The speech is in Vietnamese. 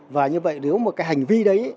và như vậy nếu mà cái hành vi đấy